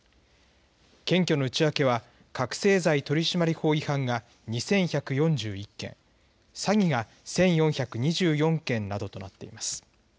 検挙の内訳は、覚醒剤取締法違反が２１４１件、詐欺が１４２４件などとなっています。